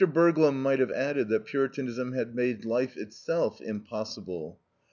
Burglum might have added that Puritanism has made life itself impossible.